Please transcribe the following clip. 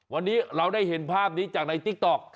วันนี้เราได้เห็นภาพนี้จากในติ๊กต๊อก